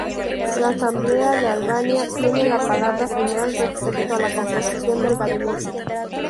La Asamblea de Albania tiene la palabra final respecto a la composición del Gabinete.